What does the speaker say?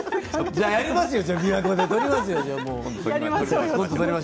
じゃあやりますよ。